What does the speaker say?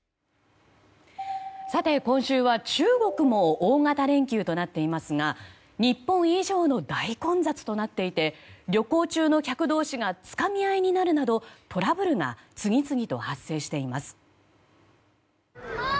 今週は中国も大型連休となっていますが日本以上の大混雑となっていて旅行中の客同士がつかみ合いになるなどトラブルが次々と発生しています。